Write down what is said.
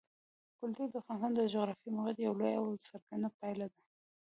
کلتور د افغانستان د جغرافیایي موقیعت یوه لویه او څرګنده پایله ده.